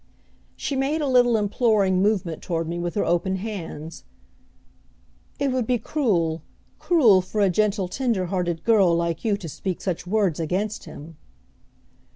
She made a little imploring movement toward me with her open hands. "It would be cruel, cruel for a gentle, tender hearted girl like you to speak such words against him!"